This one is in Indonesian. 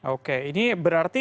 oke ini berarti